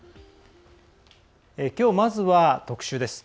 きょう、まずは特集です。